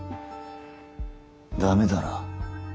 駄目だな。